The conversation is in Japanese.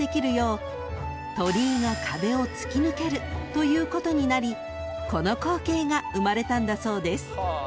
［ということになりこの光景が生まれたんだそうです］